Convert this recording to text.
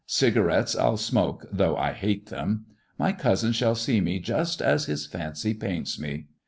Cigarettes I'll smoke, though I hate them. My cousin shall see me just as his fancy paints me."